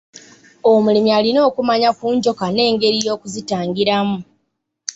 Omulimi alina okumanya ku njoka n'engeri y'okuzitangiramu.